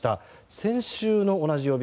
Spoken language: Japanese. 先週の同じ曜日